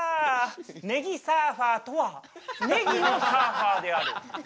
ねぎサーファーとはねぎのサーファーである。